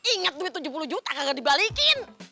ingat duit tujuh puluh juta gak dibalikin